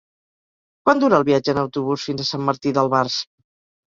Quant dura el viatge en autobús fins a Sant Martí d'Albars?